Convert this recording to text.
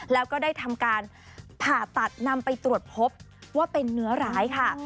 แล้วก็ได้ทำการผ่าตัดนำไปตรวจพบว่าเป็นเนื้อร้ายค่ะ